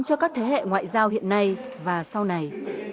cho các thế hệ ngoại giao hiện nay và sau này